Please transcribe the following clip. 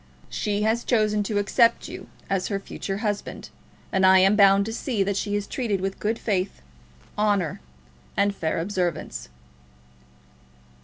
She has chosen to accept you as her future husband, and I am bound to see that she is treated with good faith, honour, and fair observance."